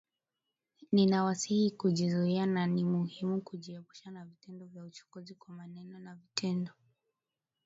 Ninawasihi kujizuia na ni muhimu kujiepusha na vitendo vya uchokozi, kwa maneno na vitendo